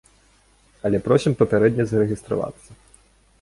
Але просім папярэдне зарэгістравацца.